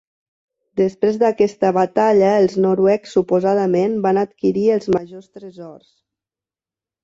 Després d'aquesta batalla els noruecs suposadament van adquirir els majors tresors.